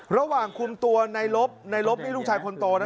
ระหว่างคุมตัวในลบในลบนี่ลูกชายคนโตนะ